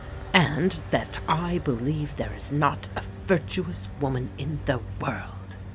and that I believe there is not a virtuous woman in the world."